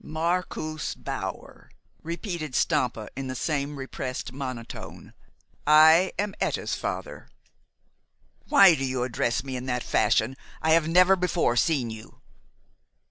"Marcus Bauer," repeated Stampa in the same repressed monotone, "I am Etta's father." "Why do you address me in that fashion? I have never before seen you."